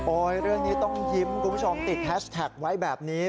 เรื่องนี้ต้องยิ้มคุณผู้ชมติดแฮชแท็กไว้แบบนี้